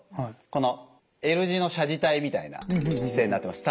このＬ字の斜字体みたいな姿勢になってます。